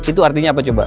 itu artinya apa coba